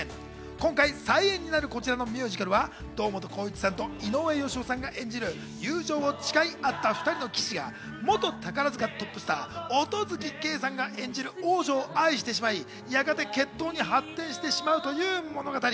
今回再演になるこちらのミュージカルは堂本光一さんと井上芳雄さんが演じる友情を誓い合った２人の騎士が、元宝塚トップスター・音月桂さんが演じる王女を愛してしまい、やがて決闘に発展してしまうという物語。